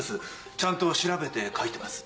ちゃんと調べて書いてます。